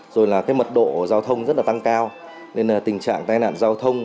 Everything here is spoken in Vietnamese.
rồi là cái mật độ giao thông rất là tăng cao nên là tình trạng tai nạn giao thông